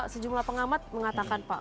sejumlah pengamat mengatakan pak